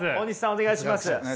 お願いします。